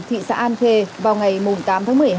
thị xã an khê vào ngày tám tháng một mươi hai